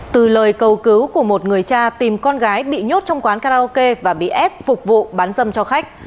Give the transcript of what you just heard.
từ lời cầu cứu của một người cha tìm con gái bị nhốt trong quán karaoke và bị ép phục vụ bán dâm cho khách